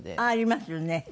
ありますよね。